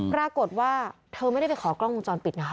ปรากฏว่าเธอไม่ได้ไปขอกล้องวงจรปิดนะคะ